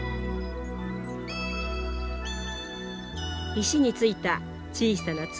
石についた小さな粒。